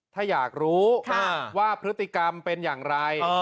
ถ้าอยากรู้ว่าพฤติกรรมเป็นอย่างไร